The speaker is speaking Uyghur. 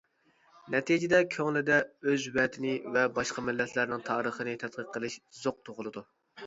نەتىجىدە كۆڭلىدە، ئۆز ۋەتىنى ۋە باشقا مىللەتلەرنىڭ تارىخىنى تەتقىق قىلىش زوقى تۇغۇلىدۇ.